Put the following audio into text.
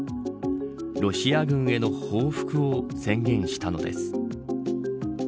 ロシア軍への報復を宣言したのです。